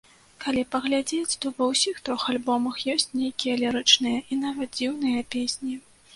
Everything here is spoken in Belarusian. Калі паглядзець, то ва ўсіх трох альбомах ёсць нейкія лірычныя і, нават, дзіўныя песні.